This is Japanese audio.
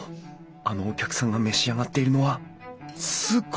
あのお客さんが召し上がっているのはスコーン！